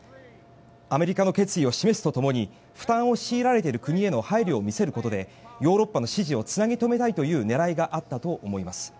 アメリカの決意を示すとともに負担を強いられている国の配慮を見せることでヨーロッパの支持をつなぎ留めたいという狙いがあったと思います。